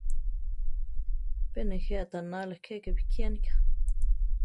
Pe nejé aʼtanála keke bikiánika.